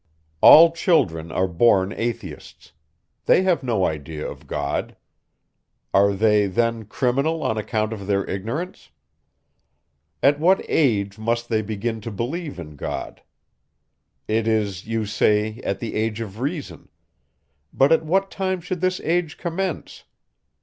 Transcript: All children are born Atheists; they have no idea of God. Are they then criminal on account of their ignorance? At what age must they begin to believe in God? It is, you say, at the age of reason. But at what time should this age commence?